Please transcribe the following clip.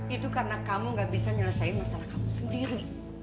itu karena kamu gak bisa nyelesai masalah kamu sendiri